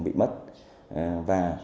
bị mất và